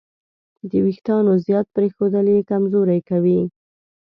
د وېښتیانو زیات پرېښودل یې کمزوري کوي.